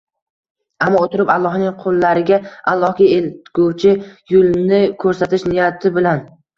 ammo o'tirib Allohning qullariga Allohga eltguvchi yulni ko'rsatish niyati bilan